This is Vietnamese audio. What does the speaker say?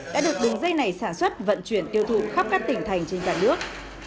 đã được đường dây này sản xuất vận chuyển tiêu thụ khắp các tỉnh thành trên cả nước